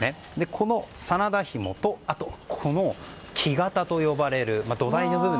この真田ひもと木型と呼ばれる土台の部分。